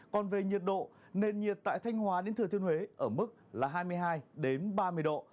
còn về nhiệt độ nền nhiệt tại thanh hóa đến thừa thiên huế ở mức là hai mươi hai ba mươi độ